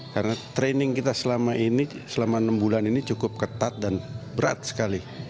karena training kita selama ini selama enam bulan ini cukup ketat dan berat sekali